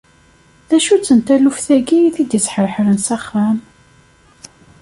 D acu-tt n taluft-agi i t-id-isḥerḥren s axxam?